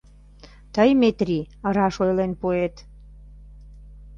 Тый, Метри, раш ойлен пуэт...